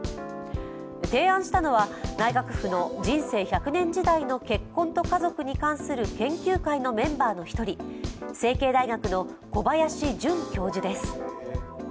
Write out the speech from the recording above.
提案したのは、内閣府の人生１００年時代の結婚と家族に関する研究会のメンバーの１人、成蹊大学の小林盾教授です。